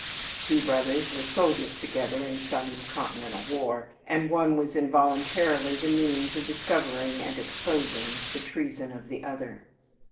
Two brothers were soldiers together in some Continental war, and one was involuntarily the means of discovering and exposing the treason of the other.